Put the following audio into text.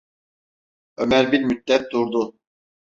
Ömer bir müddet durdu.